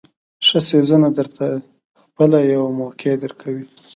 ښه څیزونه درته خپله یوه موقع درکوي.